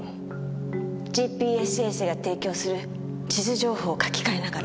ＧＰＳ衛星が提供する地図情報を書き換えながら。